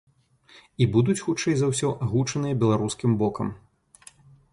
І будуць хутчэй за ўсё агучаныя беларускім бокам.